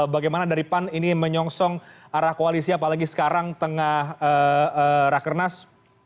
bagaimana dari pan ini menyongsong arah koalisi apalagi sekarang tengah rakernas